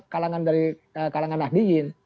kalangan dari kalangan nahdiyin